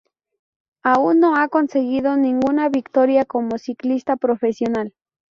Aún no ha conseguido ninguna victoria como ciclista profesional.